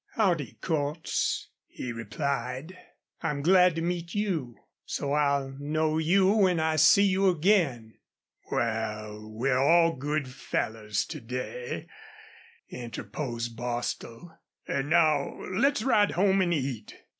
"Howdy, Cordts," he replied. "I'm glad to meet you so I'll know you when I see you again." "Wal, we're all good fellers to day," interposed Bostil. "An' now let's ride home an' eat.